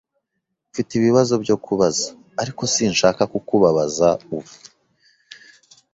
Mfite ibibazo byo kubaza, ariko sinshaka kukubabaza ubu.